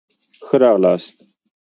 ښه را غلاست